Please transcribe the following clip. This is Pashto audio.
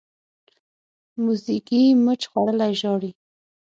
موزیګی مچ خوړلی ژاړي.